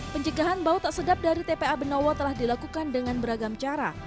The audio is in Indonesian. pencegahan bau tak sedap dari tpa benowo telah dilakukan dengan beragam cara